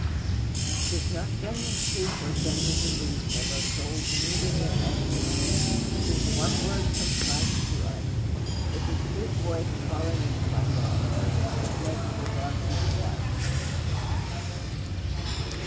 It is not general truth or general belief that our souls need in their anguish; it is one word from Christ to us, it is his voice calling us by name, that makes the darkness light.